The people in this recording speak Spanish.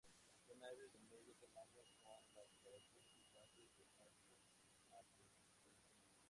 Son aves de mediano tamaño con la coloración del plumaje del macho iridiscente.